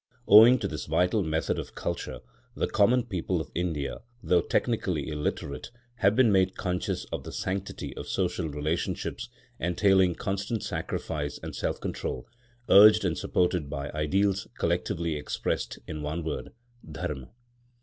Owing to this vital method of culture the common people of India, though technically illiterate, have been made conscious of the sanctity of social relationships, entailing constant sacrifice and self control, urged and supported by ideals collectively expressed in one word, Dharma.